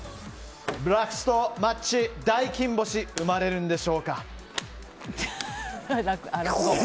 ラストマッチ、大金星生まれるんでしょうか。